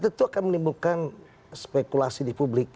tentu akan menimbulkan spekulasi di publik